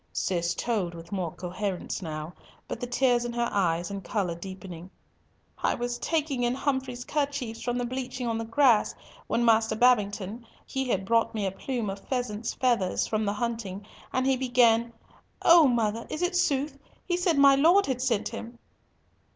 Cis told with more coherence now, but the tears in her eyes and colour deepening: "I was taking in Humfrey's kerchiefs from the bleaching on the grass, when Master Babington—he had brought me a plume of pheasant's feathers from the hunting, and he began. O mother, is it sooth? He said my Lord had sent him."